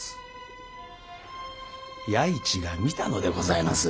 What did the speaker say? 弥市が見たのでございます。